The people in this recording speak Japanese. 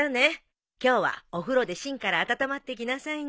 今日はお風呂で芯から温まってきなさいな。